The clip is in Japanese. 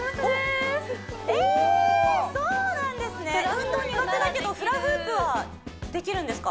運動苦手だけどフラフープはできるんですか？